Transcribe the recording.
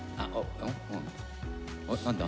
何だ？